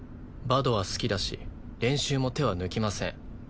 バドは好きだし練習も手は抜きません。